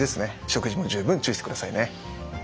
食事も十分注意してくださいね。